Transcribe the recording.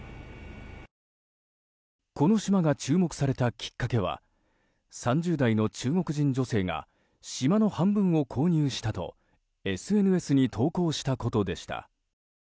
この島が注目されたきっかけは３０代の中国人女性が島の半分を購入したとＳＮＳに投稿したことでした。